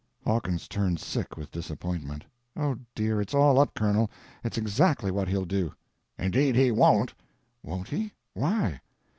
Hawkins turned sick with disappointment: "Oh, dear, it's all up, Colonel—it's exactly what he'll do." "Indeed he won't!" "Won't he? Why?"